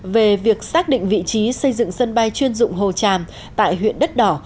về việc xác định vị trí xây dựng sân bay chuyên dụng hồ tràm tại huyện đất đỏ